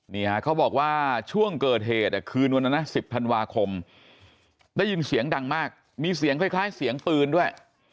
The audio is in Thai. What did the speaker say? เขาบอกว่าช่วงเกิดเหตุคืนวันนั้นนะ๑๐ธันวาคมได้ยินเสียงดังมากมีเสียงคล้ายเสียงปืนด้วย